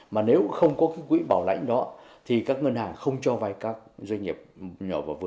mà nếu không có cái quỹ bảo lãnh đó thì các ngân hàng không cho vay các doanh nghiệp nhỏ và vừa